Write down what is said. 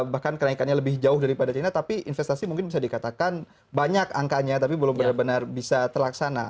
bahkan kenaikannya lebih jauh daripada china tapi investasi mungkin bisa dikatakan banyak angkanya tapi belum benar benar bisa terlaksana